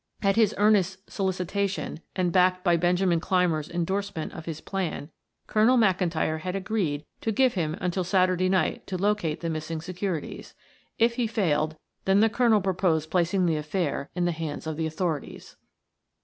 At his earnest solicitation and backed by Benjamin Clymer's endorsement of his plan, Colonel McIntyre had agreed to give him until Saturday night to locate the missing securities; if he failed, then the colonel proposed placing the affair in the hands of the authorities.